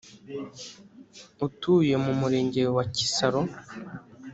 atuye mu murenge wa kisaro,